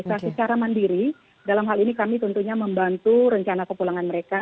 sebagai masyarakat yang berada di sini mereka sendiri dalam hal ini kami tentunya membantu rencana kepulangan mereka